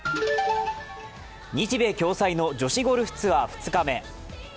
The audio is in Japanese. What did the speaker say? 日米共催の女子ゴルフツアー２日目。